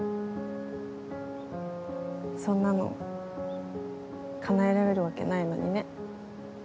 そんなのかなえられるわけないのにね。